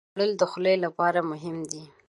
خوړل د خولې لپاره مهم دي